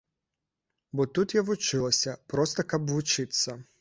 Бо тут я вучылася, проста каб вучыцца.